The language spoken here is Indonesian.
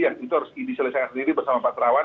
yang itu harus idi selesaikan sendiri bersama pak terawan